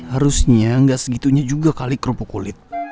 harusnya nggak segitunya juga kali kerupuk kulit